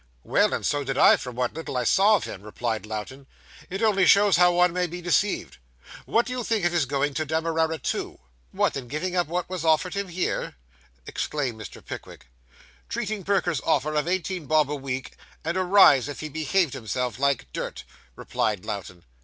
'Well, and so did I, from what little I saw of him,' replied Lowten, 'it only shows how one may be deceived. What do you think of his going to Demerara, too?' 'What! And giving up what was offered him here!' exclaimed Mr. Pickwick. 'Treating Perker's offer of eighteen bob a week, and a rise if he behaved himself, like dirt,' replied Lowten.